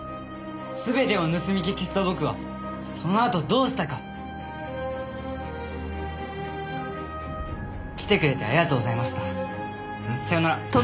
全てを盗み聞きした僕はそのあとどうしたか。来てくれてありがとうございました。さようなら。